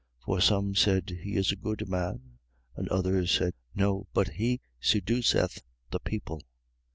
For some said: He is a good man. And others said: No, but he seduceth the people.